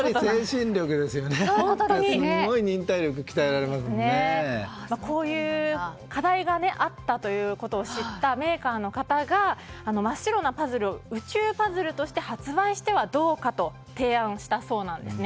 すごい忍耐力がこういう課題があったということを知ったメーカーの方が真っ白なパズルを宇宙パズルとして発売してはどうかと提案したそうなんです。